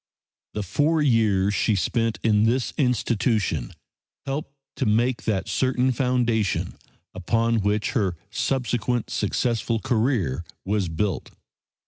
The four years she spent in this institution helped to make that certain foundation upon which her subsequent successful career was built.